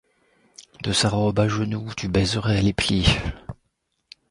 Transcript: De sa robe à genoux tu baiserais les plis